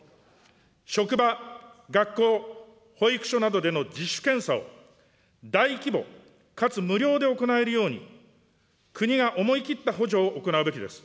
職場、学校、保育所などでの自主検査を大規模、かつ無料で行えるように、国が思い切った補助を行うべきです。